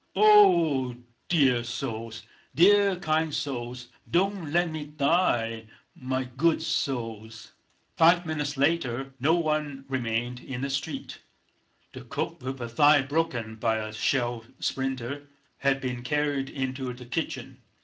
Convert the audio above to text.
"Oh h h! Dear souls, dear kind souls! Don't let me die! My good souls!..." Five minutes later no one remained in the street. The cook, with her thigh broken by a shell splinter, had been carried into the kitchen.